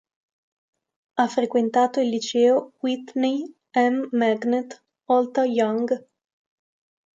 Ha frequentato il liceo Whitney M. Magnet Alta Young.